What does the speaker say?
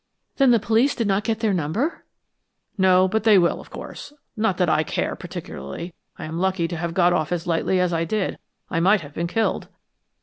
"Then the police did not get their number?" "No, but they will, of course. Not that I care, particularly; I'm lucky to have got off as lightly as I did. I might have been killed."